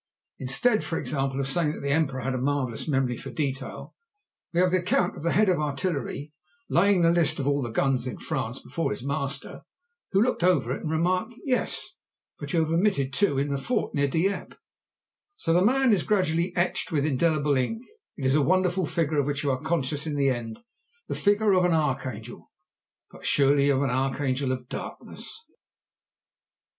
Instead, for example, of saying that the Emperor had a marvellous memory for detail, we have the account of the head of Artillery laying the list of all the guns in France before his master, who looked over it and remarked, "Yes, but you have omitted two in a fort near Dieppe." So the man is gradually etched in with indelible ink. It is a wonderful figure of which you are conscious in the end, the figure of an archangel, but surely of an archangel of darkness.